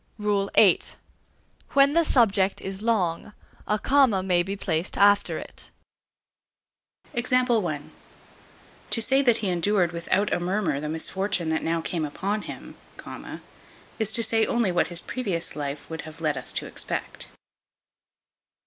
VII. When the subject is long, a comma may be placed after it. To say that he endured without a murmur the misfortune that now came upon him, is to say only what his previous life would have led us to expect.